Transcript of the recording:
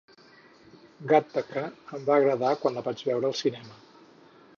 "Gattaca" em va agradar quan la vaig veure al cinema